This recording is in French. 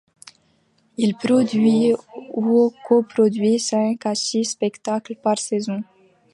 Il produit ou coproduit cinq à six spectacles par saison.